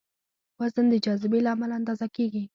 وزن د جاذبې له امله اندازه کېږي.